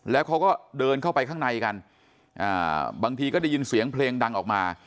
แล้วเขาก็เดินเข้าไปข้างในกันบางทีก็ได้ยินเสียงเพลงดังออกมา